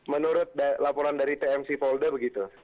menurut laporan dari tmc polda begitu